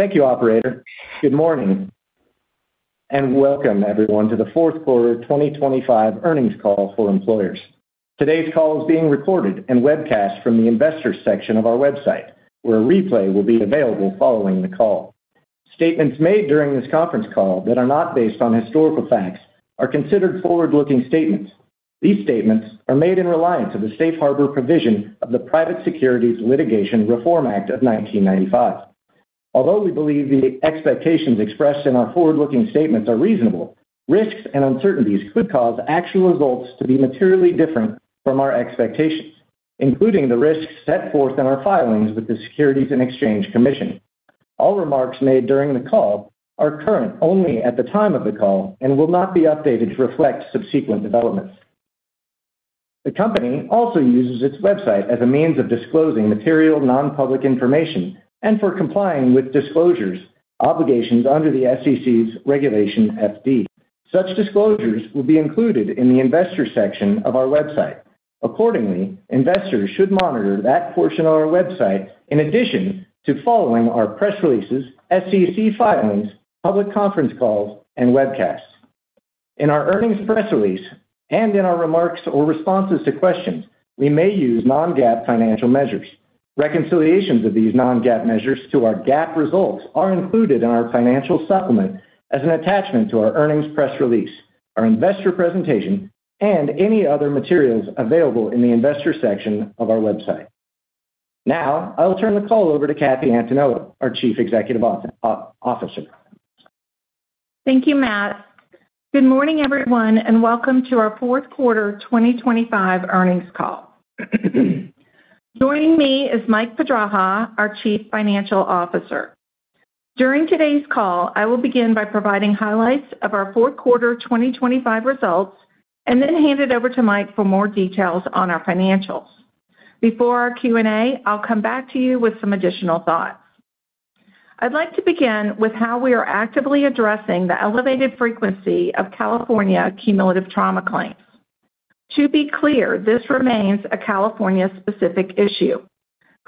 Thank you, operator. Good morning, and welcome everyone to the fourth quarter 2025 earnings call for Employers. Today's call is being recorded and webcast from the Investors section of our website, where a replay will be available following the call. Statements made during this conference call that are not based on historical facts are considered forward-looking statements. These statements are made in reliance of the safe harbor provision of the Private Securities Litigation Reform Act of 1995. Although we believe the expectations expressed in our forward-looking statements are reasonable, risks and uncertainties could cause actual results to be materially different from our expectations, including the risks set forth in our filings with the Securities and Exchange Commission. All remarks made during the call are current only at the time of the call and will not be updated to reflect subsequent developments. The company also uses its website as a means of disclosing material non-public information and for complying with disclosures, obligations under the SEC's Regulation FD. Such disclosures will be included in the Investors section of our website. Accordingly, investors should monitor that portion of our website in addition to following our press releases, SEC filings, public conference calls, and webcasts. In our earnings press release and in our remarks or responses to questions, we may use non-GAAP financial measures. Reconciliations of these non-GAAP measures to our GAAP results are included in our financial supplement as an attachment to our earnings press release, our investor presentation, and any other materials available in the Investor section of our website. Now, I will turn the call over to Kathy Antonello, our Chief Executive Officer. Thank you, Matt. Good morning, everyone, and welcome to our fourth quarter 2025 earnings call. Joining me is Mike Pedraja, our Chief Financial Officer. During today's call, I will begin by providing highlights of our fourth quarter 2025 results and then hand it over to Mike for more details on our financials. Before our Q&A, I'll come back to you with some additional thoughts. I'd like to begin with how we are actively addressing the elevated frequency of California cumulative trauma claims. To be clear, this remains a California-specific issue.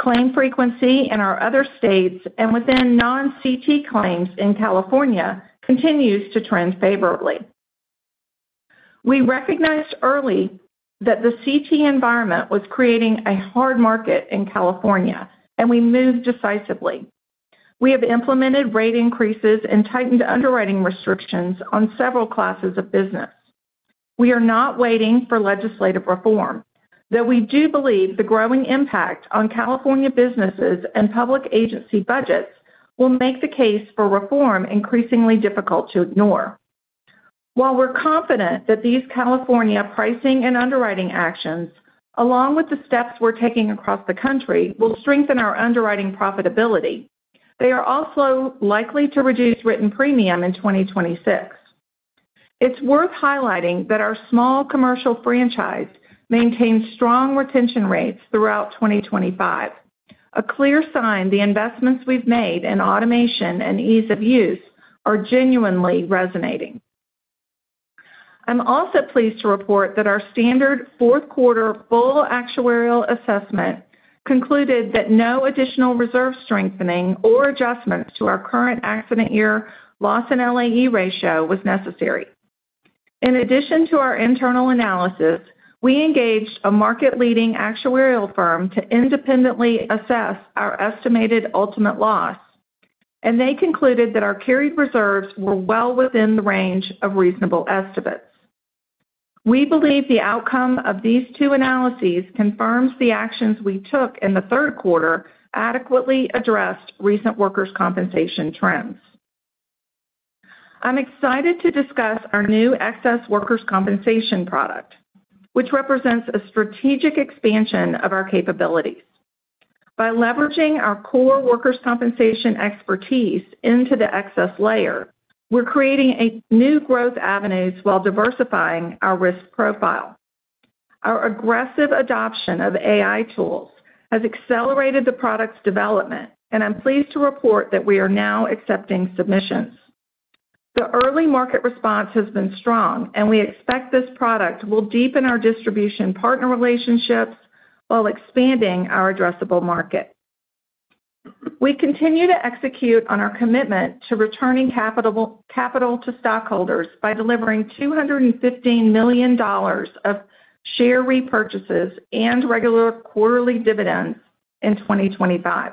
Claim frequency in our other states and within non-CT claims in California continues to trend favorably. We recognized early that the CT environment was creating a hard market in California, and we moved decisively. We have implemented rate increases and tightened underwriting restrictions on several classes of business. We are not waiting for legislative reform, though we do believe the growing impact on California businesses and public agency budgets will make the case for reform increasingly difficult to ignore. While we're confident that these California pricing and underwriting actions, along with the steps we're taking across the country, will strengthen our underwriting profitability, they are also likely to reduce written premium in 2026. It's worth highlighting that our small commercial franchise maintained strong retention rates throughout 2025, a clear sign the investments we've made in automation and ease of use are genuinely resonating. I'm also pleased to report that our standard fourth quarter full actuarial assessment concluded that no additional reserve strengthening or adjustments to our current accident year loss and LAE ratio was necessary. In addition to our internal analysis, we engaged a market-leading actuarial firm to independently assess our estimated ultimate loss, and they concluded that our carried reserves were well within the range of reasonable estimates. We believe the outcome of these two analyses confirms the actions we took in the third quarter adequately addressed recent workers' compensation trends. I'm excited to discuss our new excess workers' compensation product, which represents a strategic expansion of our capabilities. By leveraging our core workers' compensation expertise into the excess layer, we're creating a new growth avenues while diversifying our risk profile. Our aggressive adoption of AI tools has accelerated the product's development, and I'm pleased to report that we are now accepting submissions. The early market response has been strong, and we expect this product will deepen our distribution partner relationships while expanding our addressable market. We continue to execute on our commitment to returning capital to stockholders by delivering $215 million of share repurchases and regular quarterly dividends in 2025.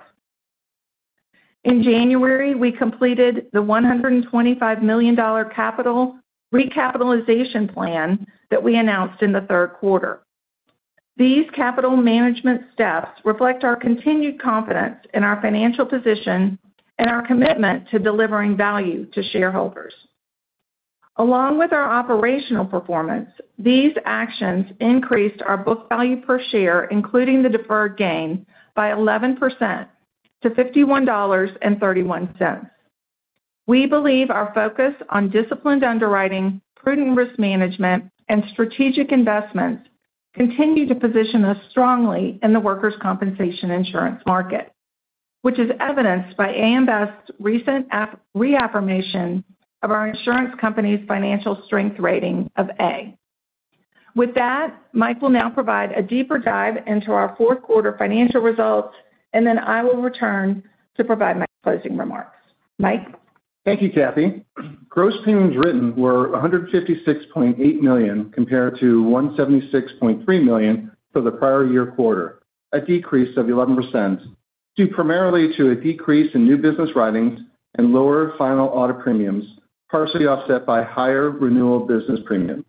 In January, we completed the $125 million recapitalization plan that we announced in the third quarter. These capital management steps reflect our continued confidence in our financial position and our commitment to delivering value to shareholders. Along with our operational performance, these actions increased our book value per share, including the deferred gain, by 11% to $51.31. We believe our focus on disciplined underwriting, prudent risk management, and strategic investments continue to position us strongly in the workers' compensation insurance market, which is evidenced by A.M. Best's recent reaffirmation of our insurance company's financial strength rating of A. With that, Mike will now provide a deeper dive into our fourth quarter financial results, and then I will return to provide my closing remarks. Mike? Thank you, Kathy. Gross premiums written were $156.8 million, compared to $176.3 million for the prior year quarter, a decrease of 11%, due primarily to a decrease in new business writings and lower final audit premiums, partially offset by higher renewal business premium.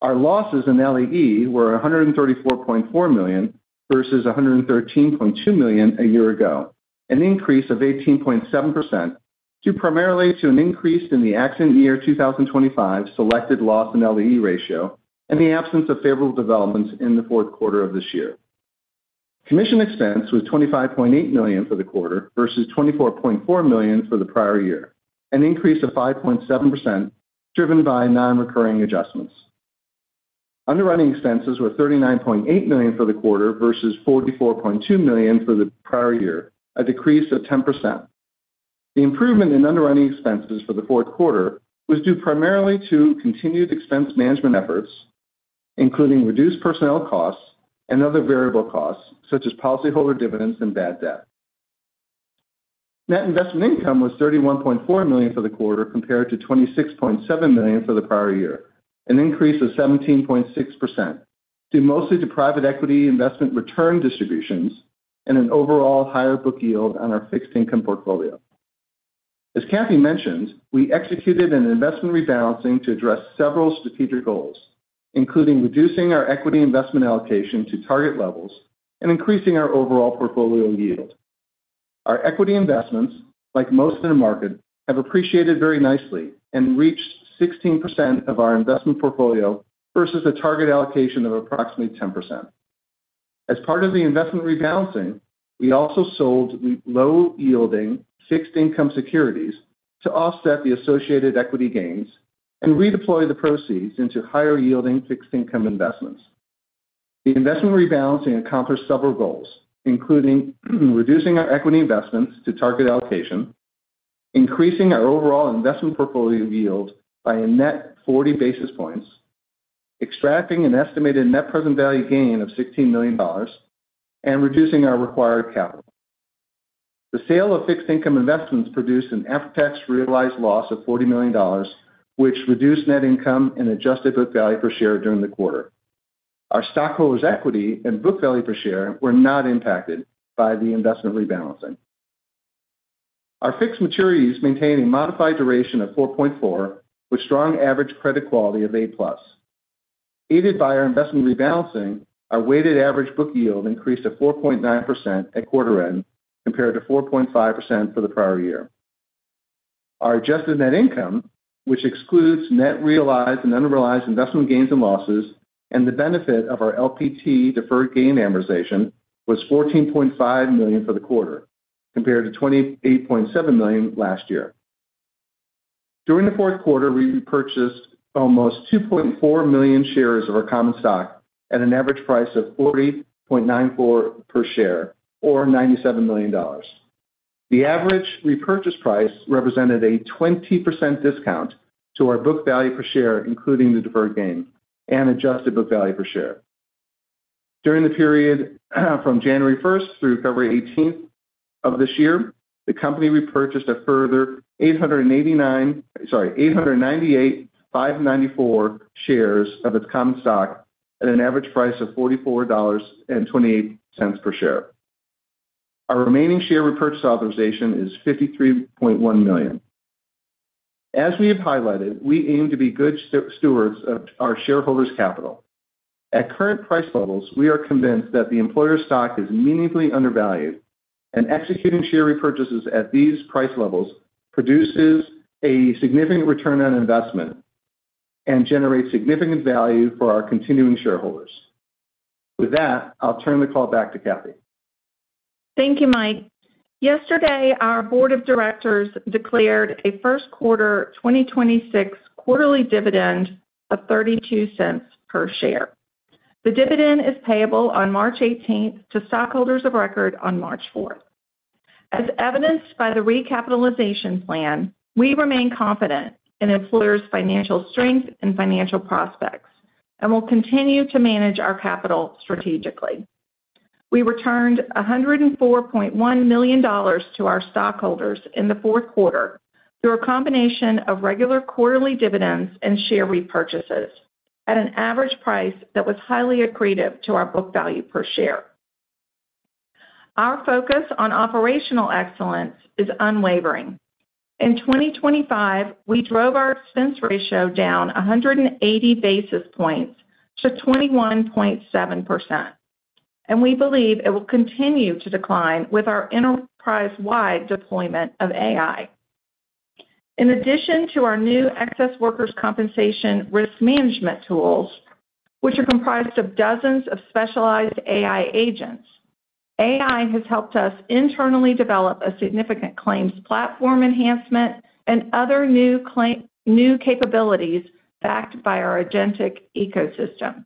Our losses and LAE were $134.4 million versus $113.2 million a year ago, an increase of 18.7%, due primarily to an increase in the accident year 2025 selected loss and LAE ratio, and the absence of favorable developments in the fourth quarter of this year. Commission expense was $25.8 million for the quarter versus $24.4 million for the prior year, an increase of 5.7%, driven by non-recurring adjustments. Underwriting expenses were $39.8 million for the quarter versus $44.2 million for the prior year, a decrease of 10%. The improvement in underwriting expenses for the fourth quarter was due primarily to continued expense management efforts, including reduced personnel costs and other variable costs, such as policyholder dividends and bad debt. Net investment income was $31.4 million for the quarter, compared to $26.7 million for the prior year, an increase of 17.6%, due mostly to private equity investment return distributions and an overall higher book yield on our fixed income portfolio. As Kathy mentioned, we executed an investment rebalancing to address several strategic goals, including reducing our equity investment allocation to target levels and increasing our overall portfolio yield. Our equity investments, like most in the market, have appreciated very nicely and reached 16% of our investment portfolio versus a target allocation of approximately 10%. As part of the investment rebalancing, we also sold low-yielding fixed income securities to offset the associated equity gains and redeploy the proceeds into higher-yielding fixed income investments. The investment rebalancing accomplished several goals, including reducing our equity investments to target allocation, increasing our overall investment portfolio yield by a net 40 basis points, extracting an estimated net present value gain of $16 million, and reducing our required capital. The sale of fixed income investments produced an after-tax realized loss of $40 million, which reduced net income and adjusted book value per share during the quarter. Our stockholders' equity and book value per share were not impacted by the investment rebalancing. Our fixed maturities maintain a modified duration of 4.4, with strong average credit quality of A+. Aided by our investment rebalancing, our weighted average book yield increased to 4.9% at quarter end, compared to 4.5% for the prior year. Our adjusted net income, which excludes net realized and unrealized investment gains and losses, and the benefit of our LPT deferred gain amortization, was $14.5 million for the quarter, compared to $28.7 million last year. During the fourth quarter, we repurchased almost 2.4 million shares of our common stock at an average price of $40.94 per share, or $97 million. The average repurchase price represented a 20% discount to our book value per share, including the deferred gain and adjusted book value per share. During the period from January first through February eighteenth of this year, the company repurchased a further 898,594 shares of its common stock at an average price of $44.28 per share. Our remaining share repurchase authorization is $53.1 million. As we have highlighted, we aim to be good stewards of our shareholders' capital. At current price levels, we are convinced that the Employers' stock is meaningfully undervalued, and executing share repurchases at these price levels produces a significant return on investment and generates significant value for our continuing shareholders. With that, I'll turn the call back to Cathy. Thank you, Mike. Yesterday, our board of directors declared a first quarter 2026 quarterly dividend of $0.32 per share. The dividend is payable on March 18 to stockholders of record on March 4. As evidenced by the recapitalization plan, we remain confident in Employers' financial strength and financial prospects and will continue to manage our capital strategically. We returned $104.1 million to our stockholders in the fourth quarter through a combination of regular quarterly dividends and share repurchases at an average price that was highly accretive to our book value per share. Our focus on operational excellence is unwavering. In 2025, we drove our expense ratio down 180 basis points to 21.7%, and we believe it will continue to decline with our enterprise-wide deployment of AI. In addition to our new excess workers' compensation risk management tools, which are comprised of dozens of specialized AI agents, AI has helped us internally develop a significant claims platform enhancement and other new capabilities backed by our agentic ecosystem.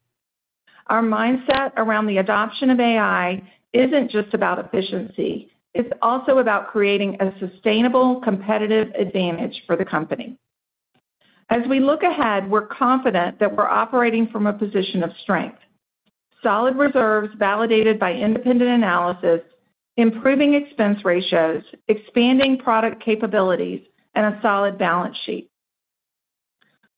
Our mindset around the adoption of AI isn't just about efficiency, it's also about creating a sustainable competitive advantage for the company. As we look ahead, we're confident that we're operating from a position of strength. Solid reserves validated by independent analysis, improving expense ratios, expanding product capabilities, and a solid balance sheet.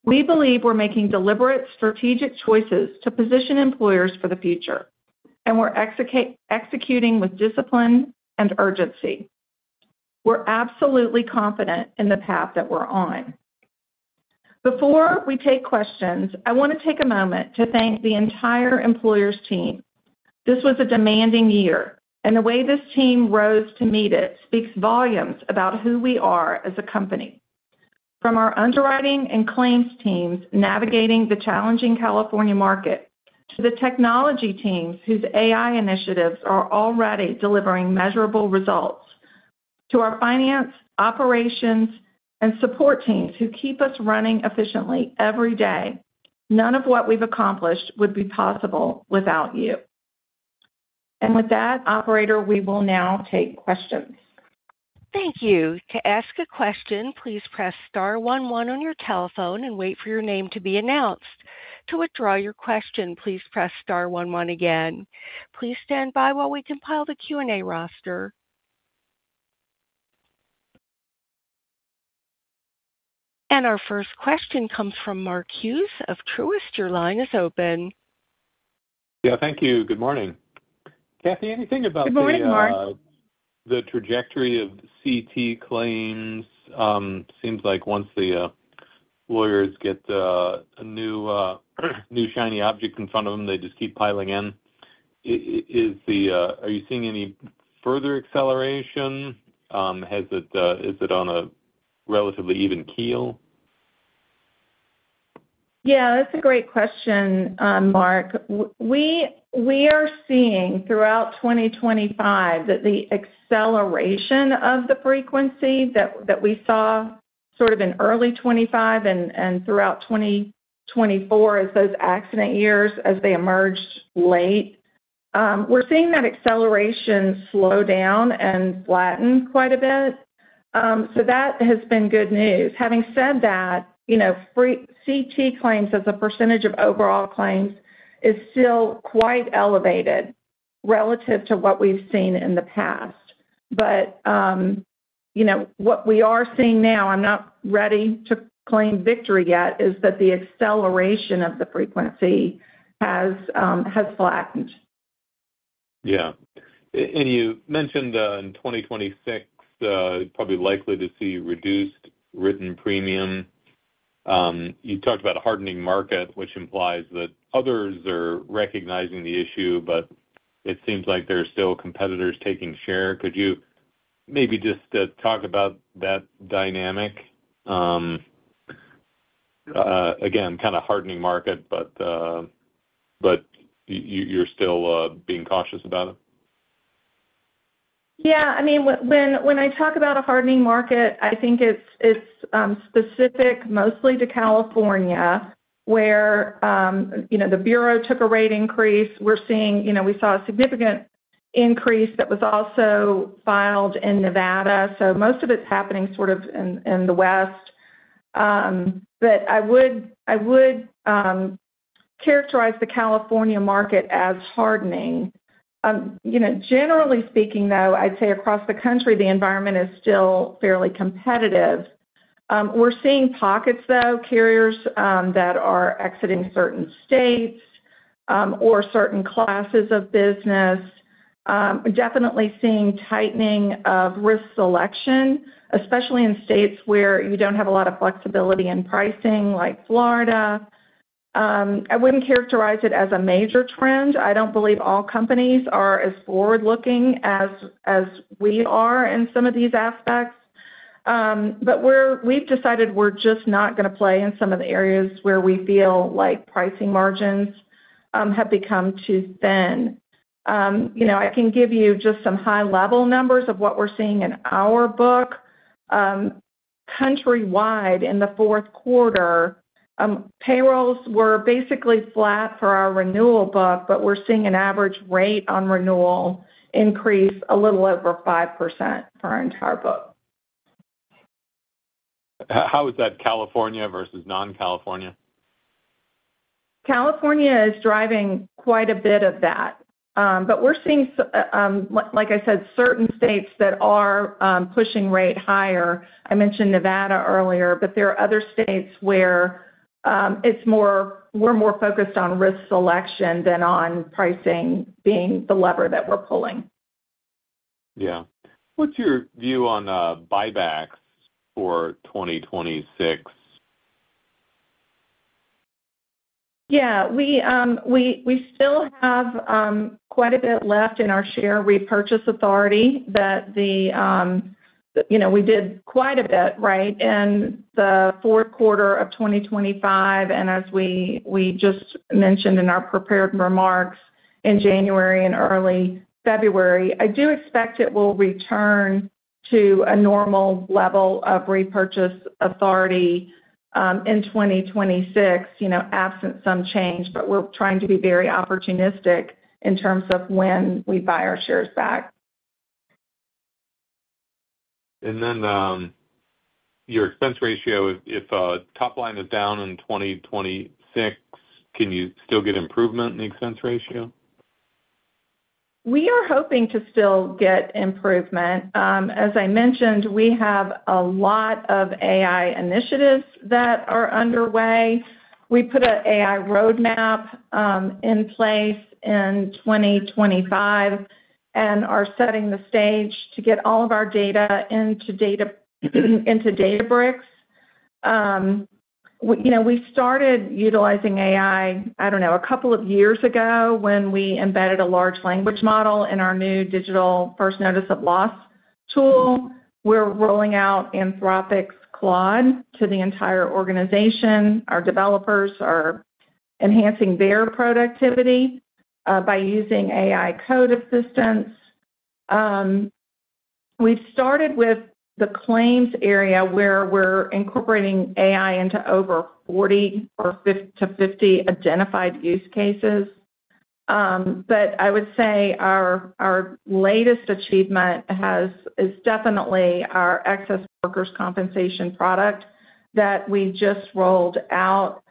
We believe we're making deliberate, strategic choices to position Employers for the future, and we're executing with discipline and urgency. We're absolutely confident in the path that we're on. Before we take questions, I want to take a moment to thank the entire Employers team. This was a demanding year, and the way this team rose to meet it speaks volumes about who we are as a company. From our underwriting and claims teams, navigating the challenging California market, to the technology teams, whose AI initiatives are already delivering measurable results, to our finance, operations, and support teams, who keep us running efficiently every day. None of what we've accomplished would be possible without you. With that, operator, we will now take questions. Thank you. To ask a question, please press star one one on your telephone and wait for your name to be announced. To withdraw your question, please press star one one again. Please stand by while we compile the Q&A roster. Our first question comes from Mark Hughes of Truist. Your line is open. Yeah, thank you. Good morning. Good morning, Mark. Kathy, anything about the trajectory of CT claims? Seems like once the lawyers get a new shiny object in front of them, they just keep piling in. Is the... Are you seeing any further acceleration? Has it, is it on a relatively even keel? Yeah, that's a great question, Mark. We are seeing throughout 2025 that the acceleration of the frequency that we saw sort of in early 2025 and throughout 2024 as those accident years, as they emerged late, we're seeing that acceleration slow down and flatten quite a bit. So that has been good news. Having said that, you know, CT claims, as a percentage of overall claims, is still quite elevated relative to what we've seen in the past. But, you know, what we are seeing now, I'm not ready to claim victory yet, is that the acceleration of the frequency has flattened. Yeah. And you mentioned in 2026 probably likely to see reduced written premium. You talked about a hardening market, which implies that others are recognizing the issue, but it seems like there are still competitors taking share. Could you maybe just talk about that dynamic? Again, kind of hardening market, but you, you're still being cautious about it. Yeah. I mean, when I talk about a hardening market, I think it's specific mostly to California, where, you know, the Bureau took a rate increase. We're seeing, you know, we saw a significant increase that was also filed in Nevada, so most of it's happening sort of in the West. But I would characterize the California market as hardening. You know, generally speaking, though, I'd say across the country, the environment is still fairly competitive. We're seeing pockets, though, carriers that are exiting certain states, or certain classes of business. Definitely seeing tightening of risk selection, especially in states where you don't have a lot of flexibility in pricing, like Florida. I wouldn't characterize it as a major trend. I don't believe all companies are as forward-looking as we are in some of these aspects. But we've decided we're just not going to play in some of the areas where we feel like pricing margins have become too thin. You know, I can give you just some high-level numbers of what we're seeing in our book. Countrywide, in the fourth quarter, payrolls were basically flat for our renewal book, but we're seeing an average rate on renewal increase a little over 5% for our entire book. How is that California versus non-California? California is driving quite a bit of that. But we're seeing, like I said, certain states that are pushing rate higher. I mentioned Nevada earlier, but there are other states where it's more, we're more focused on risk selection than on pricing being the lever that we're pulling. Yeah. What's your view on buybacks for 2026? Yeah, we still have quite a bit left in our share repurchase authority that, you know, we did quite a bit, right, in the fourth quarter of 2025, and as we just mentioned in our prepared remarks, in January and early February. I do expect it will return to a normal level of repurchase authority in 2026, you know, absent some change, but we're trying to be very opportunistic in terms of when we buy our shares back. Then, your expense ratio, if top line is down in 2026, can you still get improvement in the expense ratio? We are hoping to still get improvement. As I mentioned, we have a lot of AI initiatives that are underway. We put an AI roadmap in place in 2025 and are setting the stage to get all of our data into Databricks. We, you know, we started utilizing AI, I don't know, a couple of years ago when we embedded a large language model in our new digital first notice of loss tool. We're rolling out Anthropic's Claude to the entire organization. Our developers are enhancing their productivity by using AI code assistance. We've started with the claims area, where we're incorporating AI into over 40 or 50 identified use cases. But I would say our latest achievement is definitely our excess workers' compensation product that we just rolled out.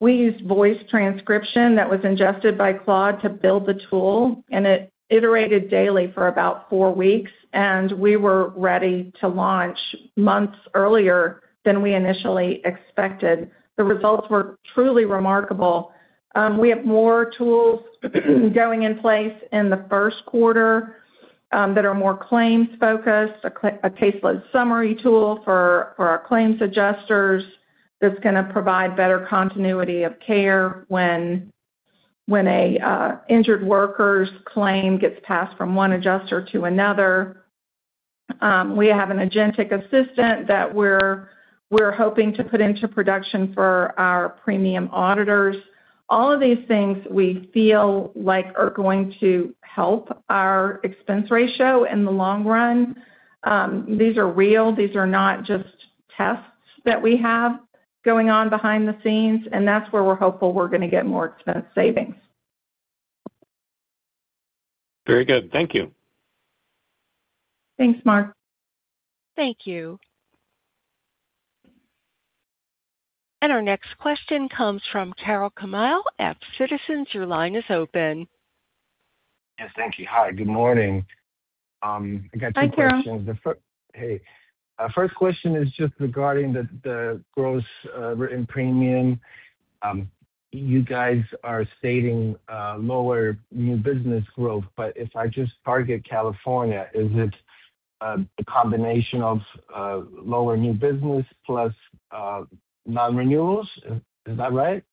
We used voice transcription that was ingested by Claude to build the tool, and it iterated daily for about four weeks, and we were ready to launch months earlier than we initially expected. The results were truly remarkable. We have more tools going in place in the first quarter that are more claims-focused, a caseload summary tool for our claims adjusters, that's gonna provide better continuity of care when an injured worker's claim gets passed from one adjuster to another. We have an agentic assistant that we're hoping to put into production for our premium auditors. All of these things we feel like are going to help our expense ratio in the long run. These are real. These are not just tests that we have going on behind the scenes, and that's where we're hopeful we're gonna get more expense savings. Very good. Thank you. Thanks, Mark. Thank you. Our next question comes from Tarun Kamal at Citizens. Your line is open. Yes, thank you. Hi, good morning. I got two questions. Hi, Tarun. Hey. Our first question is just regarding the gross written premium. You guys are stating lower new business growth, but if I just target California, is it a combination of lower new business plus non-renewals? Is that right?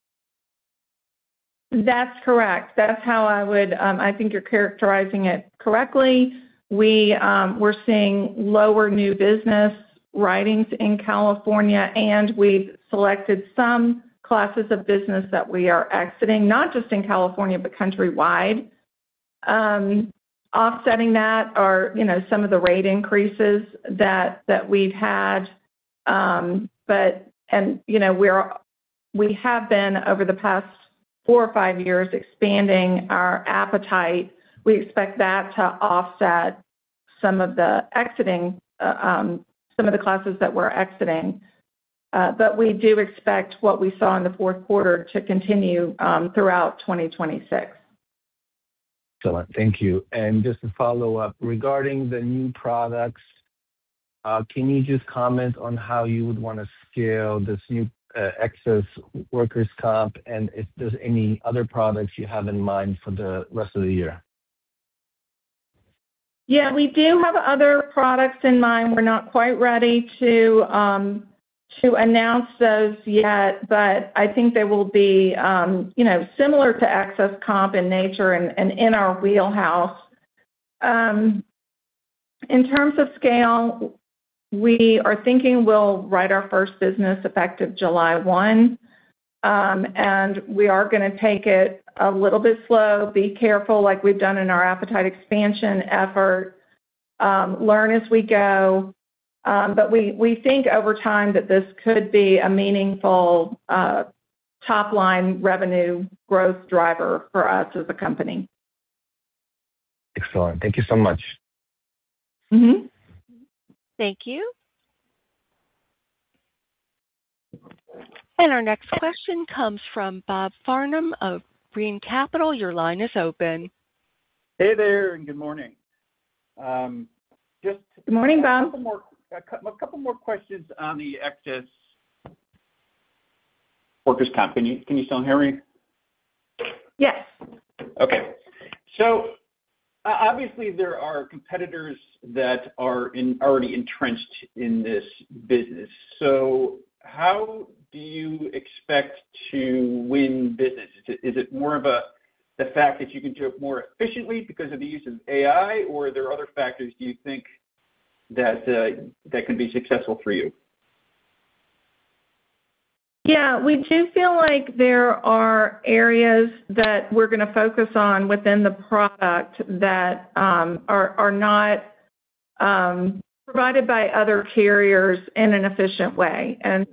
That's correct. That's how I would, I think you're characterizing it correctly. We're seeing lower new business writings in California, and we've selected some classes of business that we are exiting, not just in California, but countrywide. Offsetting that are, you know, some of the rate increases that we've had, but, you know, we have been, over the past four or five years, expanding our appetite. We expect that to offset some of the exiting, some of the classes that we're exiting. But we do expect what we saw in the fourth quarter to continue throughout 2026. Excellent. Thank you. And just to follow up, regarding the new products, can you just comment on how you would want to scale this new, excess workers' comp, and if there's any other products you have in mind for the rest of the year? Yeah, we do have other products in mind. We're not quite ready to to announce those yet, but I think they will be, you know, similar to excess comp in nature and, and in our wheelhouse. In terms of scale, we are thinking we'll write our first business effective July 1, and we are gonna take it a little bit slow, be careful, like we've done in our appetite expansion effort, learn as we go, but we, we think over time that this could be a meaningful, top-line revenue growth driver for us as a company. Excellent. Thank you so much. Mm-hmm. Thank you. Our next question comes from Bob Farnam of Green Capital. Your line is open. Hey there, and good morning. Good morning, Bob. A couple more questions on the excess workers' comp. Can you still hear me? Yes. Okay. So obviously, there are competitors that are in, already entrenched in this business. So how do you expect to win business? Is it more of a, the fact that you can do it more efficiently because of the use of AI, or are there other factors do you think that, that can be successful for you?... Yeah, we do feel like there are areas that we're going to focus on within the product that are not provided by other carriers in an efficient way. And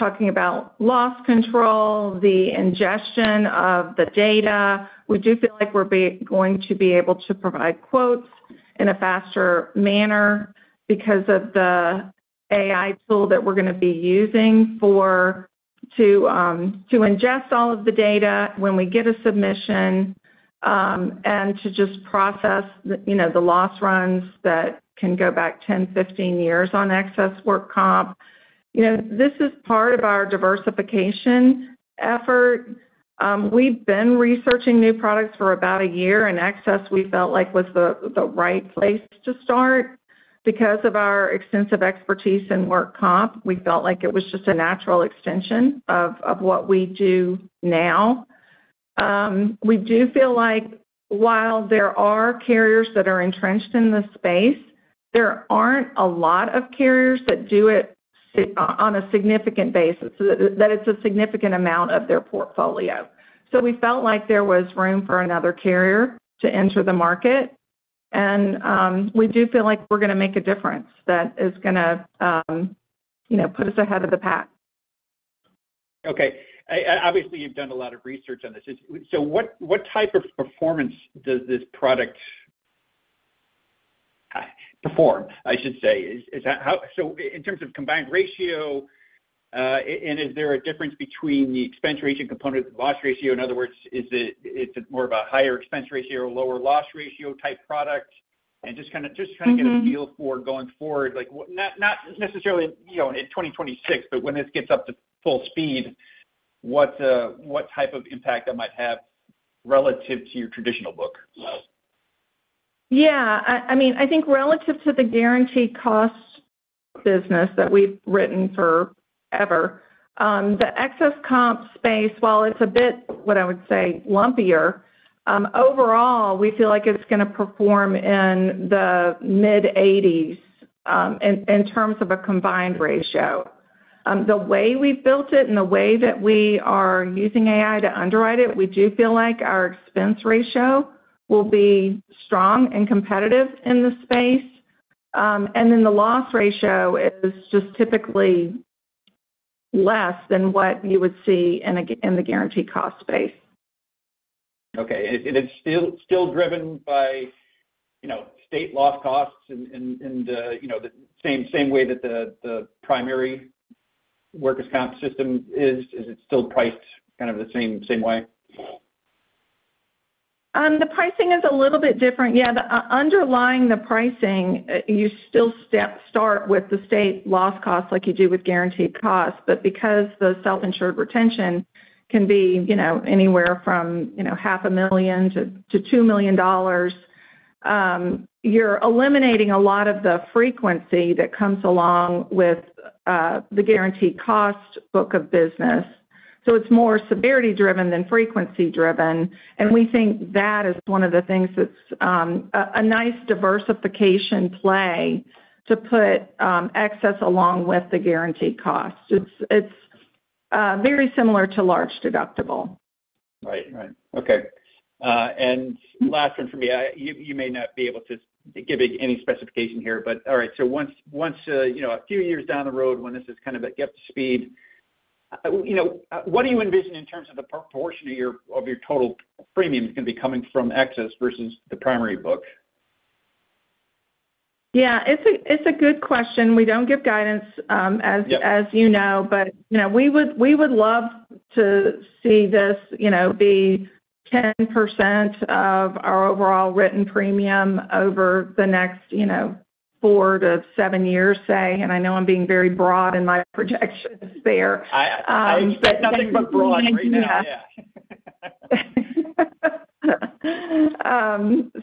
I'm talking about loss control, the ingestion of the data. We do feel like we're going to be able to provide quotes in a faster manner because of the AI tool that we're going to be using to ingest all of the data when we get a submission, and to just process, you know, the loss runs that can go back 10, 15 years on excess work comp. You know, this is part of our diversification effort. We've been researching new products for about a year, and excess, we felt like was the right place to start. Because of our extensive expertise in work comp, we felt like it was just a natural extension of what we do now. We do feel like while there are carriers that are entrenched in the space, there aren't a lot of carriers that do it on a significant basis, so that it's a significant amount of their portfolio. So we felt like there was room for another carrier to enter the market, and we do feel like we're going to make a difference that is going to you know put us ahead of the pack. Okay. Obviously, you've done a lot of research on this. So what type of performance does this product perform, I should say? Is that how... So in terms of combined ratio, and is there a difference between the expense ratio component and the loss ratio? In other words, is it more of a higher expense ratio, lower loss ratio type product? And just kinda just trying to- Mm-hmm. Get a feel for going forward, like, not, not necessarily, you know, in 2026, but when this gets up to full speed, what, what type of impact that might have relative to your traditional book? Yeah. I, I mean, I think relative to guaranteed cost business that we've written forever, the excess comp space, while it's a bit, what I would say, lumpier, overall, we feel like it's going to perform in the mid-80s, in, in terms of a combined ratio. The way we've built it and the way that we are using AI to underwrite it, we do feel like our expense ratio will be strong and competitive in this space. And then the loss ratio is just typically less than what you would see in guaranteed cost space. Okay. And it's still driven by, you know, state loss costs and, you know, the same way that the primary workers' comp system is? Is it still priced kind of the same way? The pricing is a little bit different. Yeah, the underlying the pricing, you still start with the state loss cost like you do guaranteed cost. but because the self-insured retention can be, you know, anywhere from, you know, $500,000-$2 million, you're eliminating a lot of the frequency that comes along with guaranteed cost book of business. So it's more severity-driven than frequency-driven, and we think that is one of the things that's a nice diversification play to put excess along with guaranteed cost. it's very similar to large deductible. Right. Right. Okay. And last one for me, you may not be able to give any specification here, but all right. So once you know, a few years down the road when this is kind of up to speed, you know, what do you envision in terms of the proportion of your total premiums going to be coming from excess versus the primary book? Yeah, it's a good question. We don't give guidance, as- Yeah... as you know, but, you know, we would, we would love to see this, you know, be 10% of our overall written premium over the next, you know, 4-7 years, say. And I know I'm being very broad in my projections there. I expect nothing but broad right now. Yeah.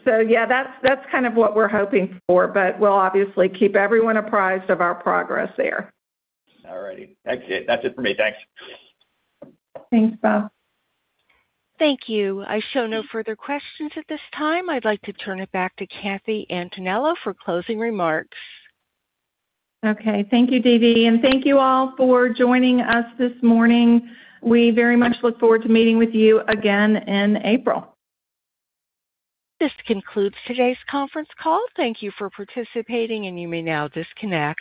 So yeah, that's kind of what we're hoping for, but we'll obviously keep everyone apprised of our progress there. All righty. That's it. That's it for me. Thanks. Thanks, Bob. Thank you. I show no further questions at this time. I'd like to turn it back to Kathy Antonello for closing remarks. Okay. Thank you, Dee Dee, and thank you all for joining us this morning. We very much look forward to meeting with you again in April. This concludes today's conference call. Thank you for participating, and you may now disconnect.